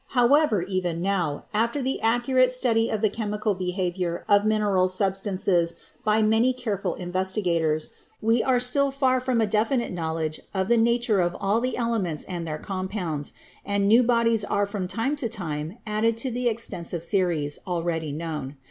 However, even now, after the accurate study of the chemical behavior of mineral sub stances by many careful investigators, we are still far from a definite knowledge of the nature of all the elements and their compounds, and new bodies are from time to time added to the extensive series already known.